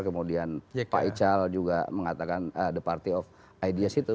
kemudian pak ical juga mengatakan de party of ideas itu